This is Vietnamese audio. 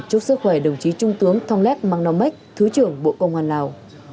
chúc sức khỏe đồng chí trung tướng thông lép mang nong mách thứ trưởng bộ công an lào